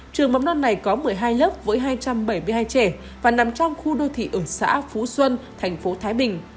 trường mầm non này có một mươi hai lớp với hai trăm bảy mươi hai trẻ và nằm trong khu đô thị ứng xã phú xuân tp thái bình